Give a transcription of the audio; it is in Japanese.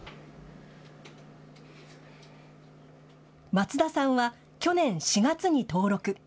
松田さんは去年４月に登録。